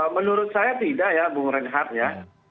menurut saya tidak ya bung reinhardt ya